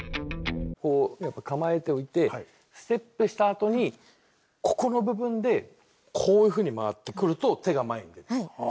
こうやって構えておいてステップしたあとにここの部分でこういうふうに回ってくると手が前に出る。